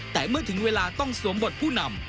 แต่เมื่อถึงเวลาต้องสวมบทผู้นำ